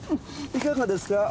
いかがですか？